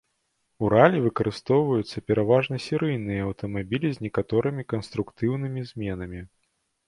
У ралі выкарыстоўваюцца пераважна серыйныя аўтамабілі з некаторымі канструктыўнымі зменамі.